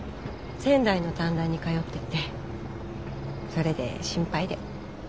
仙台の短大に通っててそれで心配で。